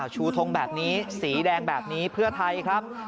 ชูทงแบบนี้สีแดงแบบนี้เพื่อไทยครับ